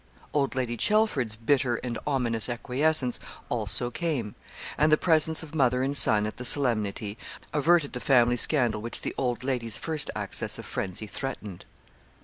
Old Lady Chelford's bitter and ominous acquiescence also came, and the presence of mother and son at the solemnity averted the family scandal which the old lady's first access of frenzy threatened.